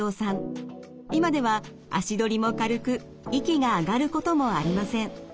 今では足取りも軽く息が上がることもありません。